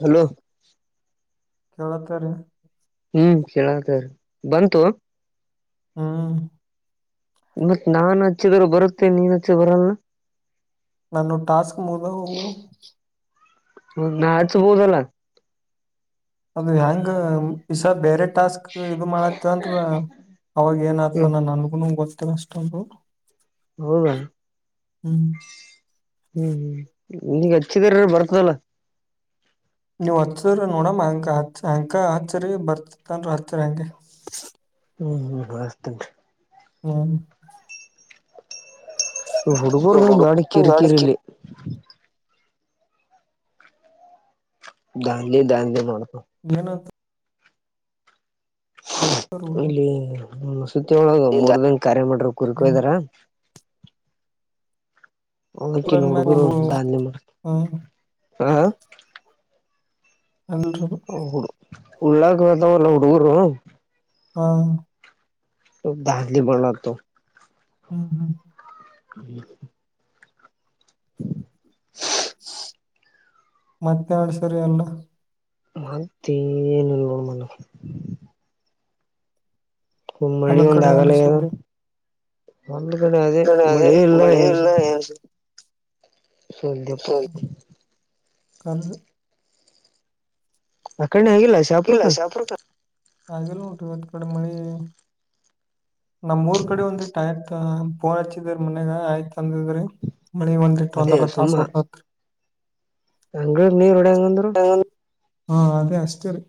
Hello ಕೇಳತಾರಿ [unintelligible] ಹ್ಮ್ ಕೇಳತಾರ ಬಂತು ಹ್ಮ ಮತ್ ನಾನ [unintelligible] ಹಚ್ಚಿದ ಬರುತ್ತೆ ನೀನ್ ಹಚ್ಚೆ ಬರಲ್ಲ ನಾನವು ಟಾಸ್ಕ್ ಮುಗದವ ಅವು ನಾ ಹಚ್ಬೋದಲ್ಲಾ ಅದು ಯಾಂಗ ಇಸದ್ದ ಬೇರೆ ಟಾಸ್ಕ್ ಇದು ಮಾಡತ್ತಂದ್ರ ಅವಾಗ ಏನ್ ಆತದ ನನ್ಗು ಗೊತ್ತಿಲ್ಲ ಅಷ್ಟೊಂದು ಹೌದಾ ಹ್ಮ್ ಈಗ ಹಚ್ಚದಿರರ ಬರ್ತದಲ್ಲ ನೀವು ಹಚ್ಚದ್ರ ನೋಡಮ ಹಂಗ ಅನಕ ಹಚ್ಛರಿ ಬರ್ತತ್ತನ್ ಹಚರಿ ಹಂಗೆ ಹ್ಮ್ ಹ್ಮ್ ಹಸ್ತನರಿ ಹ್ಮ ಹುಡುರ್ಗದೊಂದು ದೊಡ್ಡ ಕಿರಿ ಕಿರಿ ಇಲ್ಲಿ ದಾನ್ಯ ದಾನ್ಯಲಿ ನೋಡ್ಕೋ [unintelligible] ಇಲ್ಲಿ ಸುತ್ತಿ ಹಳದು ಮೂರ್ ದನ್ ಕಾರ್ಯ ಮಾಡ್ರ ಕುರಿ ಕೊಯ್ದಾರ ಅವ ಕಿಲ್ ಹುಡುಗರು ದಾನ್ಲೆ ಮಾಡ ಹ ಅಲ್ರು [unintelligible] ಉಳ್ಳಾಕ್ ಕೂತಾವಲ್ಲ ಹಡುಗರು ಹಾ ಯುವಕ ದಾನ್ಲಿ ಬಾಳ ಆತ ಹ್ಮ ಹ್ಮ ಹ [inaudible] [inaudible] ಮತ್ತೆ ಸರಿ ಎಲ್ಲ ಮತ್ತನ ನೋಡ ಮನೆ [unintelligible] ಮಳಿ ಒಂದ್ ಆಗಲ್ಲದು ಒಂದು ಕಡೆ ಅದೇ ಮಳಿ ಇಲ್ಲ ಏನ್ಸ ಸರಿ ಕ [unintelligible] ಆ ಕಡೆ ಹಾಗಿಲ್ಲ ಇಲ್ಲ ಶಪೂರಕ ಹಾಗಿಲ್ಲ [inaudible] ಇವತ್ತು ಕಡಿಮಿ [unintelligible] ನಮ್ಮೂರ ಕಡೆ ಒಂದಿಷ್ಟ ಆಯತ್ ಪೋನ್ ಹಚ್ಚಿದ್ರರಿ ಮನ್ಯಗ ಆಯ್ತ ಅಂದಿದ್ರಿ ಒಂದ ಅರ್ದತಾಸ ಹುಡುಕಾಕ ಅಂಗ್ಗಳ ನೀರ್ ಹೊಡ ಅದ್ರರು ಹಾ ಅದೇ ಅಷ್ಟೇ ರೀ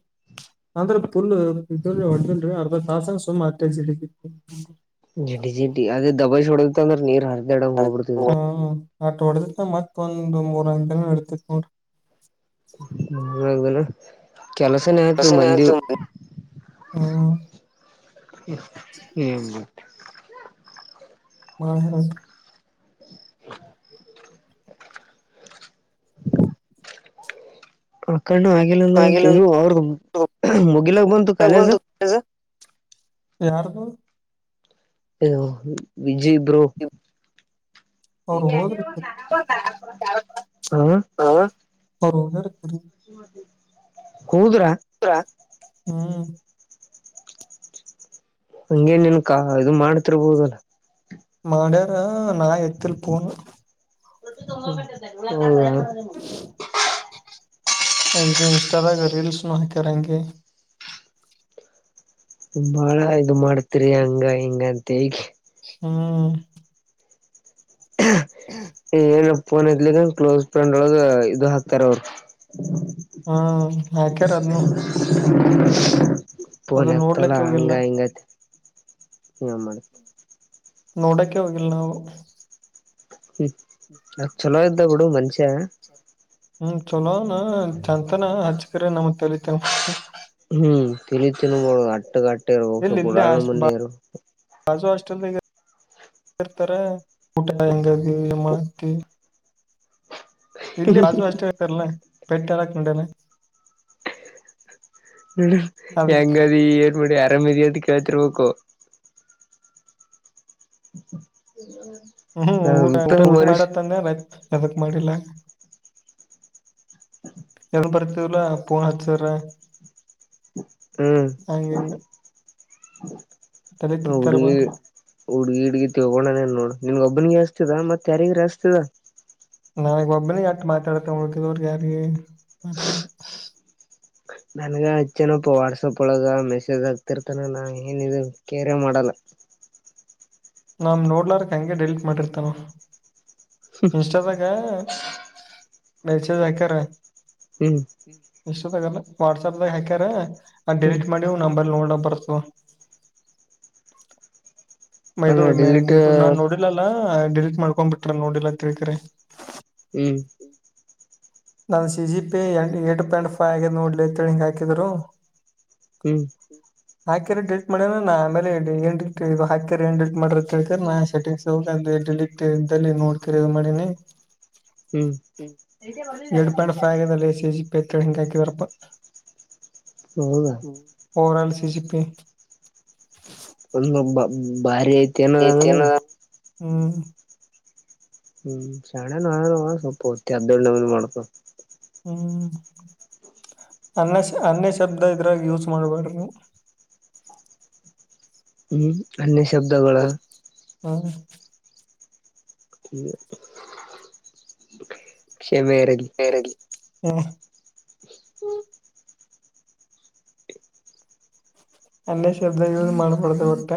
ಅಂದ್ರೆ ಪುಲ್ ಇದರಿ ಹೊಡ್ದನ್ರಿ ಅರ್ಧ ತಾಸನ ಸುಮ್ ಅ [unintelligible] ಜಿಟಿ ಜಿಟಿ ಅದ ದಬಾಸೆ ಹೋಡಿದ ಅಂದ್ರ ನೀರ್ ಹಾರ ಅಟ ಹೊಡದತ್ ಮತ್ತ ಒಂದ್ ಮೂರ್ ನಾಲ್ಕು ತಿಂಗಳು ನಡೀತದ ನೋಡ್ರಿ ಹ ಕೆಲಸನೇ ಆಯತು ಮಂದಿವು [unintelligible] [unintelligible] ಹ [inaudible] ಕಣ್ಣು ಆಗಿಲ್ಲ ಇದು ಅವ್ರದ ಮುಗಿಲಾಕ ಬಂತು ಕಾಲೇಜ್ [unintelligible] ಯಾರದು ಹ ವಿಜಿ ಬ್ರೋ [unintelligible] ಹಾ ಹ ಹೋಗ್ಯಾರ ತಿರಿಗಿ [unintelligible] ಹೋದರಾ ಹ್ಮ್ ಹಂಗೇನಿಲ್ ಕಾ ಇದು ಮಾಡ್ತಿರ್ಬೋದಲ್ಲಾ ಮಾಡ್ಯಾರ ನಾ ಎತ್ತಿಲ್ಲ ಫೋನ್ [unintelligible] ಇದು ಇಷ್ಟ ಆದಾಗ ರಿಲೀಸ್ ಮಾಡ್ತಾರ ಹಂಗೆ ಬಾಳ ಇದು ಮಾಡ್ತಿರಿ ಹಂಗ ಹಿಂಗ ಅಂತ ಹೇಳಿ ಹ್ಮ್ ಹೇಳು ಫೋನ್ ಎತ್ಲಿಕ್ಕಂಗ ಕ್ಲೋಸ್ ಫ್ರೆಂಡ್ ಒಳಗ ಇದು ಹಾಕ್ತಾರ ಅವರು ಹ್ಮ್ ಹಾಕ್ಯಾರ ಅದ್ನು ಫೋನ್ ಎತ್ತಲ್ಲ ಹಂಗ ಹಿಂಗ ಏನ್ ಮಾಡ್ತಿ ನೋಡಕ್ಕೆ ಹೋಗಿಲ್ಲ ನಾವು ಹ್ಮ್ ಅದು ಚಲೋ ಇದ್ದ ಬಿಡು ಮನುಷ್ಯಾ ಹ್ಮ್ ಚಲೋ ಅನಾ ಚತ್ಯಾನ ಹಚ್ಚಿದರೆ ನಮ್ಮಗ ತೇಲಿ ತಿನ್ ಹ್ಮ್ ತೆಲೀ ತಿನ್ನುಬೋದು ಅಟ್ಟಗಟ್ಟ ಇಲ್ಲಿ [unintelligible] ರಾಜು ಹಾಸ್ಟೆಲ್ಗ ಇರ್ತಾರ ಊಟ ಹೆಂಗಾಗಿ ಮಾಡಕತಿ ಇಲ್ಲಿ ರಾಜು ಅಷ್ಟೇ ಇರತಲ್ ಬೇಟಿ ಆಗಲಾಕ್ ಬಂದೆ ನಾ ಡ ಹೆಂಗ ಅದಿ ಏನು ಮಾಡಿ ಆರಾಮ ಅದ್ದಿ ಕೇಳ್ತರ್ಬೇಕ್ಕೋ ಹ್ಮ್ಮ [inaudible] ಹ್ಮ್ ಊಟ ಊಟ ಊಟ ಮಾಡತ್ ಅಂದೆ ಎದಕ್ ಮಾಡಿಲ್ಲಾ ಹೇಳು ಬರ್ತೀವಲ್ಲ ಪೋನು ಹಚ್ಚಿರ ಹಾಗ ಹುಡುಗಿ ಹುಡ್ಗಿಡ್ಗಿ ತಿಳಗೊಂಡಾನ ಎನ ನೋಡ್ ನಿನ್ಗ್ ಒಬ್ಬನಗ ಹಸ್ತಿದನ ಮತ್ ಯಾರಿಗ ಹಸ್ತಿದ ನನಗ್ ಒಬ್ಬನ ಎಟ ಮಾತಾಡತ್ತೇ ಉಳಗಿದವ್ರಗೆ ಯಾರಿ ಮಾತಾಡದು ನನ್ಗ ಹಚ್ಚನಪ್ಪ ವಾಟ್ಸಪ್ ಒಳಗ ಮೆಸೇಜ್ ಹಾಕ್ತಿರ್ತಾನ ನಾ ಏನಿದ ಕ್ಯರೆ ಮಾಡಲ್ಲ ನಾನು ನೋಡ್ಲಾರ ಹಂಗೆ ಡಿಲೀಟ್ ಮಾಡಿರ್ತಾನ ಅವಾ ಹ್ಮ ಇನ್ಸ್ಟಾದ ಗ ಮೆಸೇಜ್ ಹಕ್ಯರ. ಹ್ಮ್ ಇನ್ಷ್ಟೊದಗಲ್ಲ ವಾಟ್ಸಪ್ದಾಗ ಹಾಕ್ಯಾರ ಡಿಲೀಟ್ ಮಾಡಿ ನಂಬರ್ ನೋಡ ಬರ್ತ ತಗೋ. ಮ ಇದು ಇದು ನಾನ್ ನೋಡಿಲ್ಲಲ್ಲ ಡಿಲೀಟ್ ಮಾಡ್ಕೊಂಡ್ ಬಿಟ್ರ ನೋಡಿಲ್ಲಾ ಅಂತೇಕೇಳ್ಕರೆ. ಇ ಸಿ ಜಿ ಪಿ ಏಂಟ್ ಎಂಟ್ ತಡ್ಸ ಆಗಿದೆ ನೋಡ್ಲೇ ಅಂತೇಳಿ ಹಿಂಗ್ ಹಾಕಿದ್ರು. ಹ್ಮ್ ಹಾಕ್ಯಾರ ಡಿಲೀಟ್ ಮಾಡ್ಯನ ಆಮೇಲೆ ಏನ್ ಹಾಕ್ಯಾರ ಏನ್ ಡಿಲೀಟ್ ಮಾಡಿದ್ದು. [unintelligible] ನಾ ಸೆಟ್ಟಿಂಗ್ಸ್ ಹೋಗ ಅ ಡಿಲಟ್ ಇದಲ್ಲಿ ನೋಡ್ಕರಿ ಇ ಮಾಡಿನಿ. ಹ್ಮ್ [unintelligible] [unintelligible] ಸಿ ಜಿ ಪಿ ಅಂತೇಳಿ ಹಿಂಗೆ ಹಾಕಿದಾರಪ್ಪ. ಹೌದಾ ಓವರಾಲ್ ಸಿ ಜಿ ಪಿ. [unintelligible] ಬಾರಿ ಐತ್ ಹ್ಮ್ ಹ್ಮ್ ಶಣೆ ನು ಆಗವ ಸ್ವಲ್ಪ ಹೊತ್ತ್ [unintelligible] ಮಾಡ್ತವ. ಹ್ಞ ಅನ್ನ ಅನ್ನ ಶಬ್ದ ಇದ್ರಾಗ ಯೂಸ್ ಮಾಡಬಾರ್ದು. ಹ್ಮ್ ಅನ್ಯ ಶಬ್ದಗಳ. ಹ್ಮ [inaudible] [unintelligible] ಹು ಅನ್ಯ ಶಬ್ದ ಯೂಸ್ ಮಾಡಬಾರದು ವಟ್ಟ.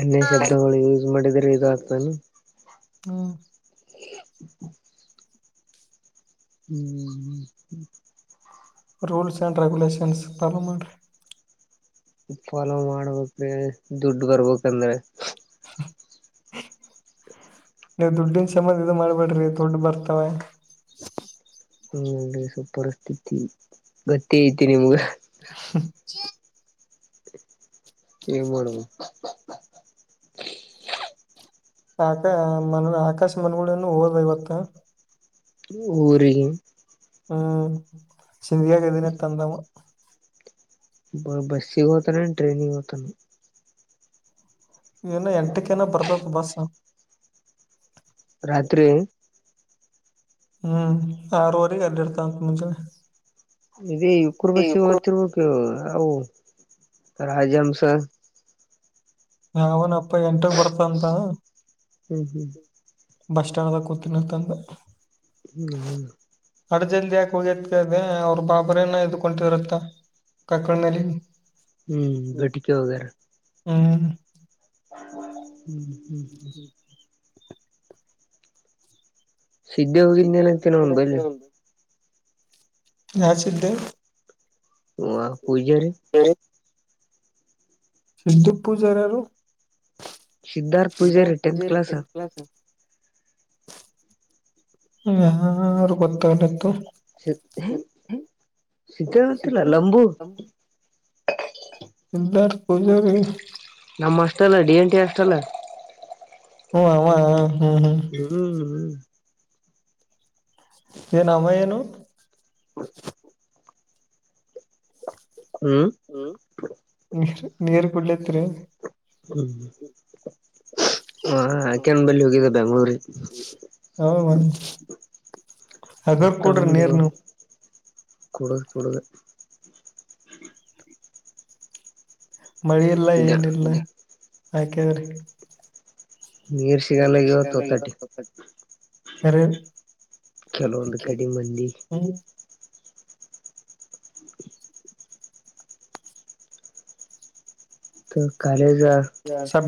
ಅನ್ಯ ಶಬ್ದಗಳು ಯೂಸ್ ಮಾಡಿದ್ರೆ ಇದು ಆಗ್ತಾದ್. ಹ್ಮ್ ಹ್ಮ್ ಹ್ಮ್ ಹ್ಮ ರೂಲ್ಸ್ ಆ್ಯಂಡ್ ರೆಗ್ಯುಲೇಷನ್ಸ್ ಫಾಲೋ ಮಾಡ್ರಿ. ಪಾಲೋ ಮಾಡ್ಬೇಕ್ರೀ ದುಡ್ಡು ಬರ್ಬೇಕಂದ್ರೆ. ನೀವ್ ದುಡ್ಡಿನ ಸಂಬಂಧ ಇದ ಮಾಡ್ಬೇಡ್ರಿ ದುಡ್ಡು ಬರ್ತಾವ. [unintelligible] ಪರಿಸ್ಥಿತಿ ಗತ್ತಿ ಐತಿ ನಿಮ್ಗ. ಹ್ಮ ಏನ್ ಮಾಡುವ. ಆಕ ಮ ಆಕಾಶ ಮನಗಳನು ಹೋದ ಇವತ್ತು. ಊರಿಗೆ. ಹ್ಮ್ ಸಿಧಿಯಾಗ ಇದಿನಿ ಅಂತ ಅಂದವ. ಬ ಬಸ್ಸಿಗೆ ಹತಾನ ಎನ್ ಟ್ರೇನಿಗ್ ಹೊಗತಾನ. ಇಏನ ಎಂಟಕನ ಬರ್ತದ ಬಸ್ಸು. ರಾತ್ರಿ ಹ್ಮ್ ಆರವರೆಗೆ ಅಲ್ಲಿರ್ತಾನೆ ಮುಂಜಾನೆ. ಇ ಉಕುರು ಬಸಿ ಹತ್ತರ್ಬೇಕ ಅವು ರಾಜಹಂಸ. ಯಾವನ್ ಅಪ್ಪ ಎಂಟಕ್ ಬರ್ತನಂತ. ಹ್ಮ್ ಹ್ಮ್ ಬಸ್ ಸ್ಟ್ಯಾಂಡ್ ದಾಗ ಕೂತಿನಿಂತಂದ. ಹ್ಮ ಹೌದ. ಅಟ್ ಜಲ್ದಿ ಯಾಕೆ ಹೋಗ್ಯತ್ತ ಅದೇ ಅವ್ರ ಬಾಬರೇನ ಇದ್ಕೊಟರತ್ತ ಕರ್ಕನಾಡಿ ಹ್ಮ್ ಬೆಟಿಕೆ ಹೊಗರ ಹ್ಮ ಹ್ಮ್ ಹ್ಮ್ ಹ್ಮ್ ಸಿದ್ಧೆ ಹೋಗಿದ್ನೇನಂತ ಅವನ್ ಬಲ್ಲಿ ಯಸಿದ್ದ ಹ ಆ ಪೂಜಾರಿ ಸಿಂಧು ಪೂಜಾರ ಯಾರು ಸಿದ್ಧಾರ್ಥ ಪೂಜಾರಿ ಟೆಂತ್ ಕ್ಲಾಸ್ ಹ ಅವರು ಗೊತ್ತ ಗೊತ್ತು ಸಿದ್ಧಿ ಸಿದ್ಧಾಗೋತ್ತಿಲ್ಲ ಲಂಬು ಸಿದ್ದಾರ್ಥ್ ಪೂಜಾರಿ ನಮ್ಮ್ ಅಷ್ಟಲ್ಲ ಡಿ ಎನ್ ಟಿ ಅಷ್ಟಲ್ಲ ಹಓ ಅವ ಹ್ಮ್ ಹ್ಮ್ ಹ್ಮ್ ಹ್ಮ ಏನ ಅವ ಏನು ಹ್ಮ್ ಹ್ಮ ನೀ ನೀರ್ ಕುಡ್ಲೇತ್ರಿ ಹ್ಮ್ ಹ ಕೆಮ್ಮಲ್ಲಿ ಹೋಗಿದೆ ಬೆಂಗಳೂರಿಗೆ ಹೌದನ್ ಹಗರ ಕುಡರಿ ನೀರ ನೀವು ಕೊಡದ ಕೊಡದೆ ಮಳಿ ಇಲ್ಲ ಏನಿಲ್ಲ ಹಾಕವ್ರಿ ನೀರ್ ಸಿಗಲ್ಲ ಇವತ್ತು ವತಟಿ ಹರೆ ಕೆಲವೊಂದು ಕಡಿ ಮಂದಿ ಕಾಲೇಜ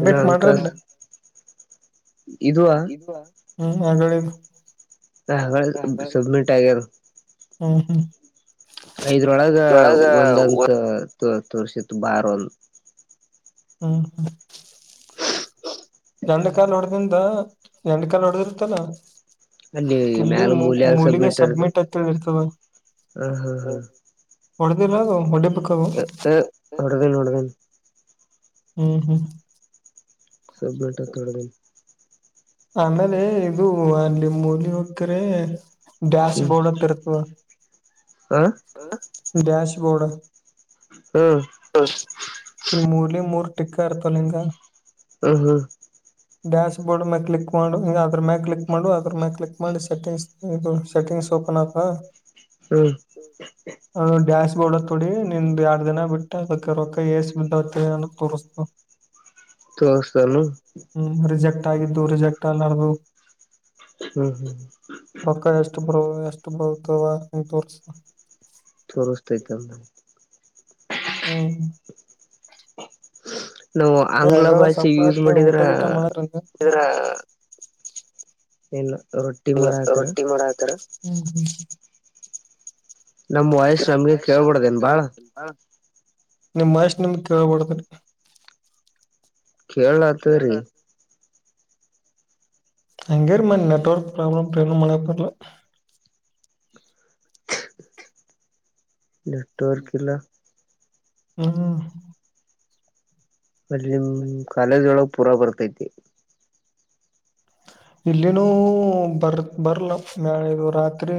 ಇಏನ್ನು ಅಂಕಸ್ ಇವಾ ಹ್ಮ್ ಮಗಳ ಹ ಹಾಗ ಸಬ್ಮಿಟ್ ಆಗ್ಯಾದ ಹ್ಮ್ ಹ್ಮ್ ಐದ್ರೊಳಗ ಒಂದಂತ ತೋರ್ಸತ್ತು ಬಾರ್ ಒಂದು ಹ್ಮ ಹಾ ಎಂಡ ಕಾಲು ಹೊಡ್ದಿಂದ ಎಂಡ ಕಾಲ್ ಹೊಡ್ದಿರ್ತ್ತಲ್ಲ ಕಿಲ್ಲಿ ಮೂಲಿಗೆ ಸಬ್ಮಿಟ್ ಹಂತ ಇರ್ತದೆ ಹಾ ಹಾ ಹಾ ಹೊಡೆದಿಲ್ಲದು ಹೊಡಬೇಕ ಏ ಹೊಡದನ್ ಹೊಡದನ್ ಹ್ಮ್ ಹ್ಮ್ ಸಬರೇಟ ತಡ್ಗ್ ಆಮೇಲೆ ಇದು ಅಲ್ಲಿ ಮೂಲಿ ಹೊಕ್ಕರೆ ಗ್ಯಾಸ್ ಬೋಡ ಅಂತ ಇರ್ತವ ಹಾ ಹ್ಮ ಡ್ಯಾಶ್ಬೋರ್ಡ್ ಹ್ಮ್ ಮೂರ್ಲಿ ಮೂರ್ ಟಿಕ್ಕ ಇರ್ತಲ್ಲಂಗ ಹಾ ಹಾ ಡ್ಯಾಶಬೋರ್ಡ್ ಮ ಕ್ಲಿಕ್ ಕ್ಲಿಕ್ ಮಾಡ ಹ ಅದ್ರ ಮ್ಯ ಕ್ಲಿಕ್ ಮಾಡು ಅದ್ರ ಮ್ಯಾಗ ಕ್ಲಿಕ್ ಮಾಡಿ ಸೆಟ್ಟಿಂಗ್ಸ್ ಇದು ಸೆಟ್ಟಿಂಗ್ಸ್ ಒಪನ್ ಆಗ್ತಾದ ಹ್ಮ್ ಡ್ಯಾಶ್ ಬೋರ್ಡತ್ತ ತೊಡಿ ನಿಂದ ಎರಡ್ ದಿನ ಬಿಟ್ಟು ಅದಕ್ಕ ರೊಕ್ಕ ಏಸ್ ಬತ್ತ ಅನ್ನೋ ತೋರಿಸತದ ತಸ್ತನು [unintelligible] ಹ್ಮ್ ರಿಜೆಕ್ಟ್ ಆಗಿದ್ದು ರಿಜೆಕ್ಟ್ ಆಲಾರದು ಹ್ಮ್ ಹ್ಮ್ ರೊಕ್ಕ ಎಷ್ಟು ಬರೋ ಎಷ್ಟು ಬತವ ಎ ತೋರ್ಸ ತೊರುಸ್ತಐತ ಅಂದ ಹೂ ಗಂಗ ಸಪ್ಪಲಾತ ಊಟಗಟ್ಟ ಮಳೆರುಂದ ಇಲ್ಲ ಎಲ್ಲ ರೊಟ್ಟಿ ಮಾಡ ಹತಾರ ನಮ್ ವಯಸ್ ನಮಗೆ ಕೇಳ್ಬಿಡ್ದೇನ್ ಬಾಳ ನಿಮ್ ವಾಯ್ಸ್ ನಿಮ್ ಕೇಳ್ಬಡದು ಕೇಳತ್ರಿ ಹಂಗ ರ ಮ ನೆಟ್ವರ್ಕ್ ಪ್ರಾಬ್ಲಮ ಪ್ರಬ್ಲ ಮಳಡ್ಲ್ಲ ಡಾಕ್ಟರ್ ಕಲಾ ಹ್ಮ ಅಲ್ಲಿ ನಿಮ ಕಾಲೇಜ್ ಒಳಗ್ ಪೂರಾ ಬರ್ತೈತಿ ಇಲ್ಲಿನೂ ಬರ್ ಬರ್ಲ ಮ್ಯಳದು ರಾತ್ರಿ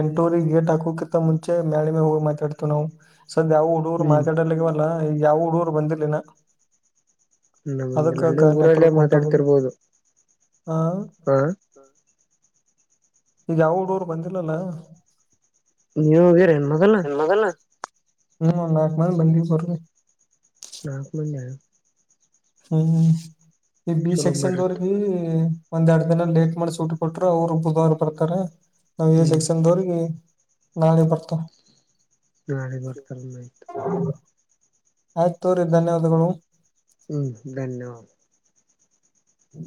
ಎಂಟೂರಿ ಗೇಟ್ ಹಾಕೋಕಿಂತ ಮುಂಚೆ ಮ್ಯಾಳ ಮೆ ಹೋಗಿ ಮಾತಾಡ್ತವ ನಾವು ಸದ ಯಾವವು ಹುಡುಗುರ್ ಮಾತಾಡಲಾಗವಲ್ಲ ಯಾವ ಹುಡುಗರ್ ಬಂದಿಲ್ಲಿನ ಅದಕ್ಕಾಗ ನೆಟ್ವರ್ಕ್ ಒಂಟಾದ ಹಾ ಹಾ ಈಗ ಯಾವ ಹುಡಗರು ಬಂದಿಲ್ಲಲ್ಲ [unintelligible] ಹ್ಮ್ ಒಂದು ನಾಲ್ಕ ಮಂದ ಬಂದಿ ಬರ್ರರಿ ನಾಲ್ಕು ಮಂದಿ ಹಾ ಹ್ಮ್ ಈ ಬಿ ಸೆಕ್ಷನ್ [unintelligible] ಒಂದ್ ಎರಡ್ ದಿನ ಲೇಟ್ ಮಾಡಿುಟ್ಟ ಕೊಟ್ಟರು ಅವ್ರು ಬುಧವ್ ಬರ್ತಾರ ನಾವ್ ಎ ಸೆಕ್ಷನ್ ದವ್ರಿಗೆ ನಾಳೆ ಬರ್ತವು ನಾಳೆಗ ಬರ್ತಾರ ಅನ್ನ ಆಯ್ತು ಹೂ ಆಯ್ತು ತೋರಿ ಧನ್ಯವಾದಗಳು. ಹ್ಞ ಧನ್ಯವಾದ. ಹೂ